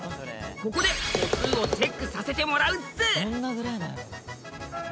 ここで歩数をチェックさせてもらうっす！